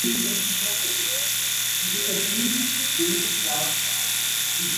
Mandi'o mbo'ipyre oĩva aripaka ári.